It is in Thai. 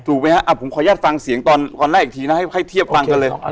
ถูกไหมฮะอ่าผมขออนุญาตฟังเสียงตอนตอนแรกอีกทีนะให้ให้เทียบฟังกันเลยอ่า